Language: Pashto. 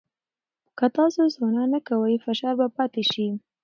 که تاسو سونا نه کوئ، فشار به پاتې شي.